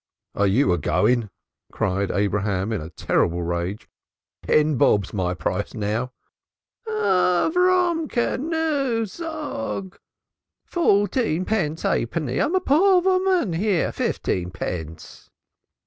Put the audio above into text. "_ "Are you a going?" cried Abraham in a terrible rage. "Ten bob's my price now." "Avroomkely, noo, zoog (say now)! Fourteenpence 'apenny. I am a poor voman. Here, fifteenpence."